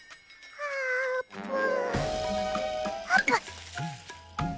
あーぷん！